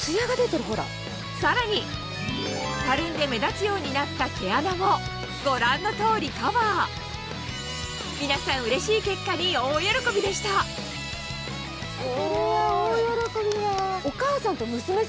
さらにたるんで目立つようになった毛穴もご覧の通りカバー皆さんうれしい結果に大喜びでしたお。